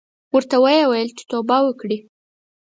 ورته ویې ویل چې توبه وکړې.